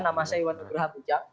nama saya iwan ibrahami jak